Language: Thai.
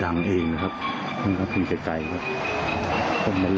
ฝนลุกเลยนะ